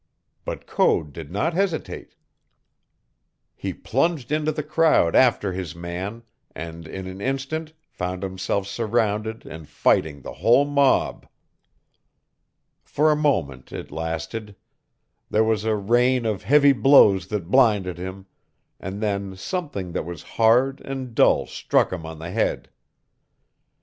But Code did not hesitate. He plunged into the crowd after his man and, in an instant, found himself surrounded and fighting the whole mob. For a moment it lasted. There was a rain of heavy blows that blinded him, and then something that was hard and dull struck him on the head.